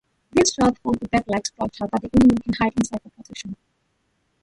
This sheath forms a bag-like structure that the animal can hide inside for protection.